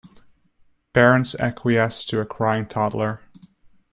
Parents acquiesce to a crying toddler.